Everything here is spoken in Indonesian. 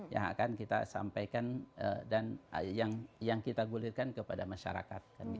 yang akan kita sampaikan dan yang kita gulirkan kepada masyarakat